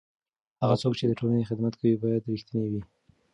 هغه څوک چې د ټولنې خدمت کوي باید رښتینی وي.